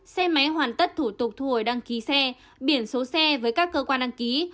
xe máy hoàn tất thủ tục thu hồi đăng ký xe biển số xe với các cơ quan đăng ký